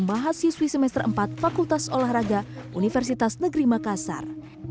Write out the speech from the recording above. mahasiswi semester empat fakultas olahraga universitas negeri makassar